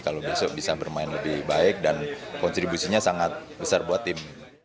kalau besok bisa bermain lebih baik dan kontribusinya sangat besar buat tim